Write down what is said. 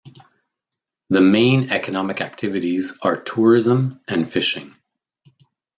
The main economic activities are tourism and fishing.